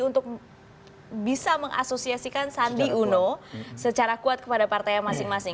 untuk bisa mengasosiasikan sandi uno secara kuat kepada partai masing masing